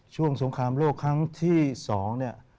ช่วงสงครามโลกทางที่สองเนี่ย